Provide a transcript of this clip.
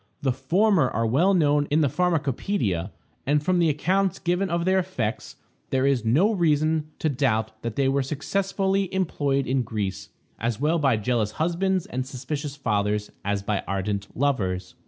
The former are well known in the pharmacopoeia, and from the accounts given of their effects, there is no reason to doubt that they were successfully employed in Greece, as well by jealous husbands and suspicious fathers as by ardent lovers.